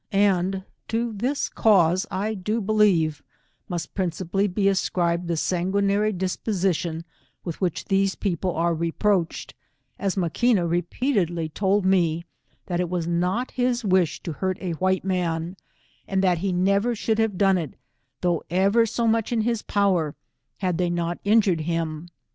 And to this cause do I believe, must principally be ascribed the sanguinary disposition with which these people are reproached, as Maquina repeatedly told me that it was not his wish to hurt a white man, and that he never should have done it, though ever so much in his power, had they not injured him.